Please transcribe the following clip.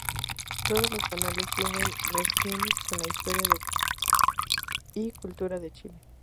Todos los paneles tienen relación con la historia y cultura de Chile.